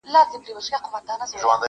او پر لار د طویلې یې برابر کړ؛